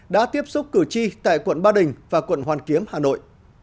đã tiếp xúc cử tri tại quận ba đình và quận hoàn kiếm hà nội